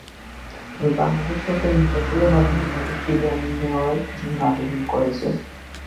তবে বাংলাদেশ সরকার ইন্টারপোলের মাধ্যমে তাঁকে ফিরিয়ে নেওয়ার জন্য আবেদন করেছে।